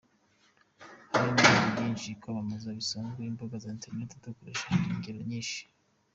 Hari n’ibindi byinshi, kwamamaza bisanzwe, imbuga za interineti dukoresha, hari ingero nyinshi.